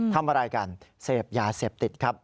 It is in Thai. ทำอะไรกันเสพยาเสพติดครับ